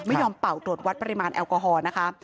ไม่ยอมเป่าโดดวัดปริมาณแอลกอฮอล์นะคะ